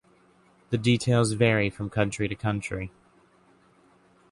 The details vary from country to country.